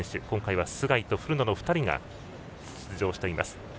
今回は須貝と古野の２人が出場しています。